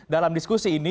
dalam diskusi ini